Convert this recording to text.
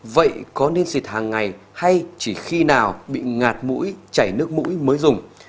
vậy có nên xịt hàng ngày hay chỉ khi nào bị ngạt mũi chảy nước mũi mới dùng